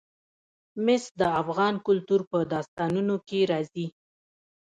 مس د افغان کلتور په داستانونو کې راځي.